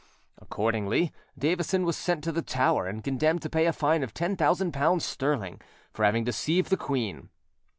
Accordingly, Davison was sent to the Tower and condemned to pay a fine of ten thousand pounds sterling, for having deceived the queen.